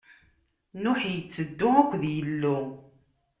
Nuḥ itteddu akked Yillu.